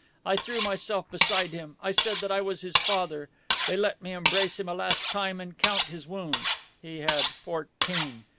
I threw myself beside him. I said that I was his father. They let me embrace him a last time and count his wounds. He had fourteen.